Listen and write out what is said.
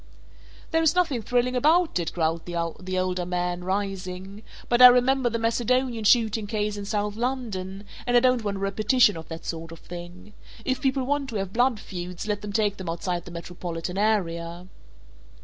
"There is nothing thrilling about it," growled the older man, rising, "but I remember the Macedonian shooting case in South London and I don't want a repetition of that sort of thing. If people want to have blood feuds, let them take them outside the metropolitan area."